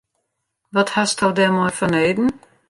Wat hasto dêrmei fanneden?